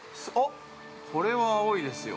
これは青いですよ。